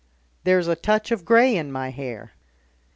There's a touch of grey in my hair.